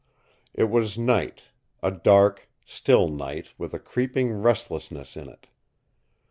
It was night, a dark, still night with a creeping restlessness in it.